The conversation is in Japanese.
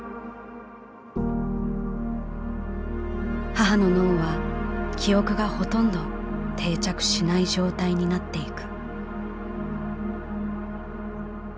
「母の脳は記憶がほとんど定着しない状態になっていく」。